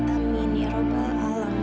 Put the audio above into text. amin ya rabbah alamin